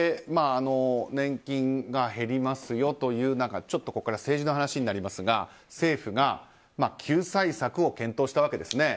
年金が減りますよという中ちょっとここからは政治の話になりますが政府が救済策を検討したわけです。